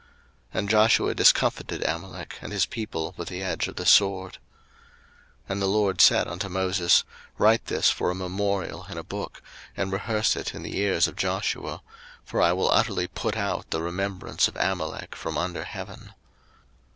02:017:013 And Joshua discomfited Amalek and his people with the edge of the sword. 02:017:014 And the LORD said unto Moses, Write this for a memorial in a book, and rehearse it in the ears of Joshua: for I will utterly put out the remembrance of Amalek from under heaven.